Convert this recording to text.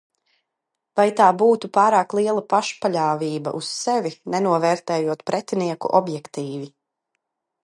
Vai tā būtu pārāk liela pašpaļāvība uz sevi, nenovērtējot pretinieku objektīvi.